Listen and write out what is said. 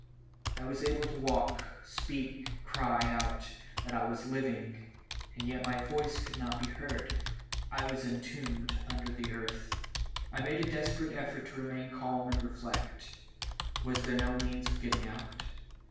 I was able to walk, speak, cry out that I was living, and yet my voice could not be heard ; I was entombed under the earth, I made a desperate effort to remain calm and reflect. Was there no means of getting out?